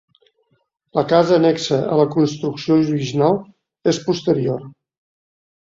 La casa annexa a la construcció original és posterior.